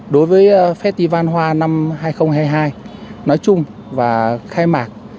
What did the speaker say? đối với festival hoa năm hai nghìn hai mươi hai nói chung và khai mạc